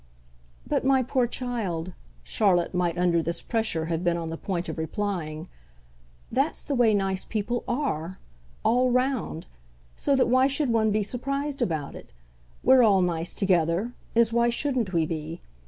"But my poor child," Charlotte might under this pressure have been on the point of replying, "that's the way nice people ARE, all round so that why should one be surprised about it? We're all nice together as why shouldn't we be?